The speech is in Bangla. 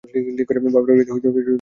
বাপের বাড়ি হইতে কিছু গহনা আন নাই?